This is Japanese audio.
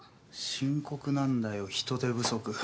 深刻なんだよ人手不足。